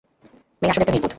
মেই আসলেই একটা নির্বোধ।